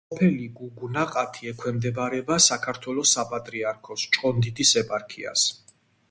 სოფელი გუგუნაყათი ექვემდებარება საქართველოს საპატრიარქოს ჭყონდიდის ეპარქიას.